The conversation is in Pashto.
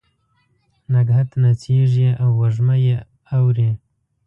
نګهت نڅیږې او وږمه یې اوري